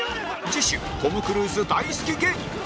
次週トム・クルーズ大好き芸人